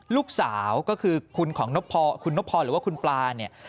ลูกสาวก็คือคุณของนพคุณนพหรือว่าคุณปลา